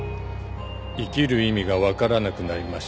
「生きる意味がわからなくなりました」